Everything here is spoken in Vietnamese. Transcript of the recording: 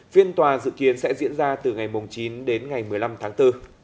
phiên tòa dự kiến sẽ diễn ra từ ngày chín đến ngày một mươi năm tháng bốn